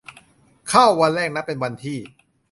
เข้าวันแรกนับเป็นวันที่